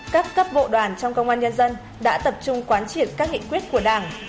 các cấp bộ đoàn trong công an nhân dân đã tập trung quán triển các nghị quyết của đảng